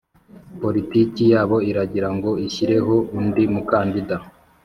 politiki yabo iragira ngo ishyireho undi mukandida